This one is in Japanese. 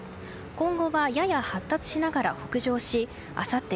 今後はやや発達しながら北上しあさって